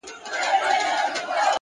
o د غم شپيلۍ راپسي مه ږغـوه ـ